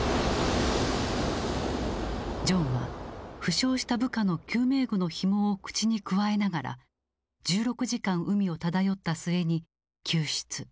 ジョンは負傷した部下の救命具のひもを口にくわえながら１６時間海を漂った末に救出。